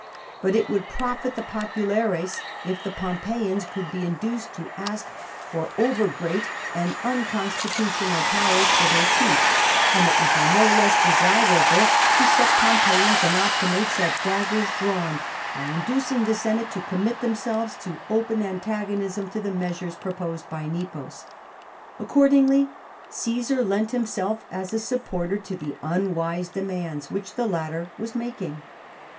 But it would profit the fojpulares if the Pompeians could be induced to ask for over great and unconstitutional powers for their chief; and it would be no less desirable to set Pompeians and Optimates at daggers drawn, by inducing the Senate to commit themselves to open antagonism to the measures proposed by Nepos. Accordingly Caesar lent himself as a supporter to the unwise demands which the latter was making.